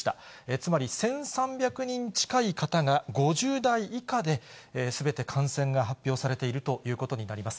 つまり１３００人近い方が５０代以下ですべて感染が発表されているということになります。